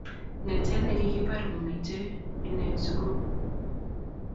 Ngetet nekikibar ko kimite n sukul